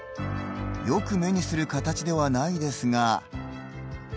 よく目にする形ではないですが。